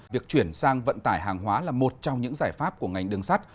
việc chuyển sang vận tải hàng hóa là một trong những giải pháp của ngành đường sắt